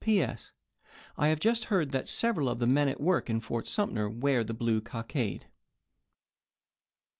.. P. S. — I have just heard that several of the men at work in Fort Sum ter wear the blue cockade.